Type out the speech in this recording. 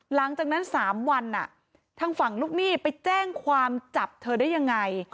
หลังจากนั้น๓วันทางฝั่งลูกหนี้ไปแจ้งความจับเธอได้ยังไง